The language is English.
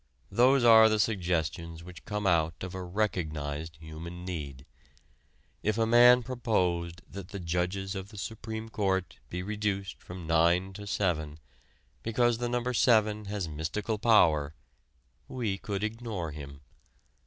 Those are the suggestions which come out of a recognized human need. If a man proposed that the judges of the Supreme Court be reduced from nine to seven because the number seven has mystical power, we could ignore him.